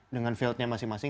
dengan fieldnya masing masing